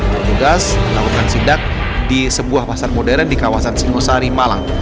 petugas melakukan sidak di sebuah pasar modern di kawasan singosari malang